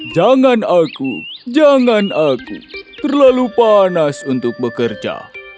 jangan aku jangan aku terlalu panas untuk bekerja